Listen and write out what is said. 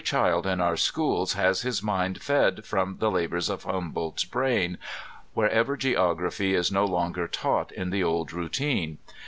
child in our schools has his mind fed from the labors of Him*' boldt's brain, wherever geography is no longer taught in the ol4 routine.